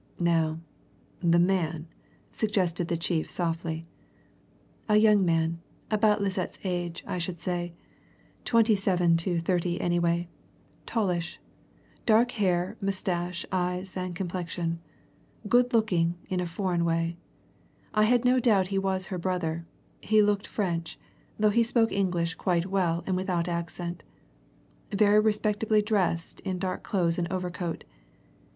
"Now the man," suggested the chief softly. "A young man about Lisette's age, I should say twenty seven to thirty anyway. Tallish. Dark hair, moustache, eyes, and complexion. Good looking in a foreign way. I had no doubt he was her brother he looked French, though he spoke English quite well and without accent. Very respectably dressed in dark clothes and overcoat.